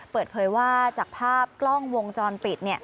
เปิดเผยว่าจากภาพกล้องวงจรปิด